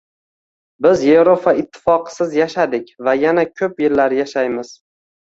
Biz Yevropa Ittifoqisiz yashadik va yana ko‘p yillar yashaymiz